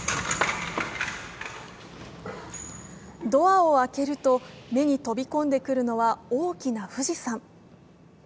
ドアを開けると、目に飛び込んでくるのは大きな富士山。